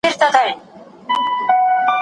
يو ښه سياستوال بايد هنرمند هم وي.